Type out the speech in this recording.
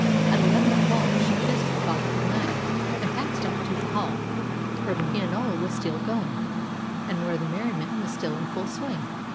At eleven o'clock she kissed her father good night and passed out to the hall, where the pianola was still going, and where the merriment was still in full swing.